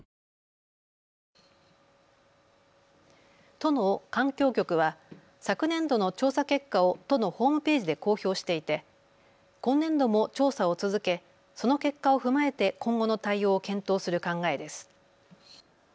都の環境局は昨年度の調査結果を都のホームページで公表していて今年度も調査を続け、その結果を踏まえて今後の対応を検討する考えです。